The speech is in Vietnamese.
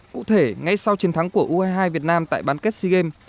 cụ thể ngay sau chiến thắng của u hai mươi hai việt nam tại bán kết sea games